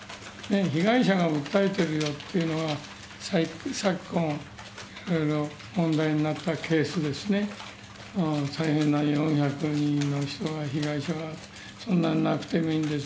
被害者が訴えてるよっていうのは、昨今、問題になったケースですね、大変な４００人の人が被害者がそんなになくてもいいんです。